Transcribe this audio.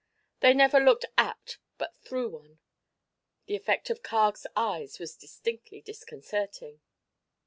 They never looked at but through one. The effect of Carg's eyes was distinctly disconcerting.